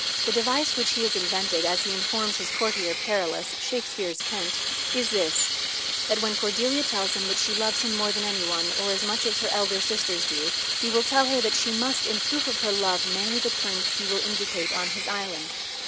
The device which he has invented, as he informs his courtier, Perillus (Shakespeare's Kent), is this, that when Cordelia tells him that she loves him more than any one or as much as her elder sisters do, he will tell her that she must, in proof of her love, marry the prince he will indicate on his island.